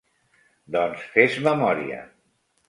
- Doncs fes memòria